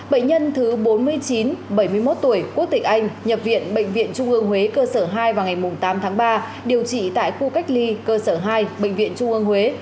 bệnh nhân thứ bốn mươi chín bảy mươi một tuổi quốc tịch anh nhập viện bệnh viện trung ương huế cơ sở hai vào ngày tám tháng ba điều trị tại khu cách ly cơ sở hai bệnh viện trung ương huế